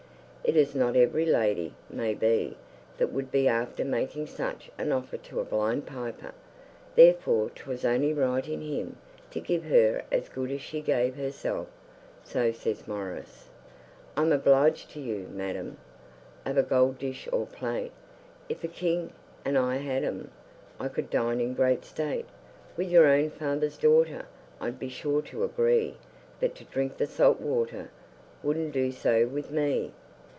It is not every lady, may be, that would be after making such an offer to a blind piper; therefore 'twas only right in him to give her as good as she gave herself, so says Maurice: I'm obliged to you, madam: Off a gold dish or plate, If a king, and I had 'em, I could dine in great state. With your own father's daughter I'd be sure to agree, But to drink the salt water Wouldn't do so with me!